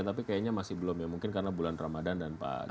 tapi kayaknya masih belum ya mungkin karena bulan ramadhan dan pak jokowi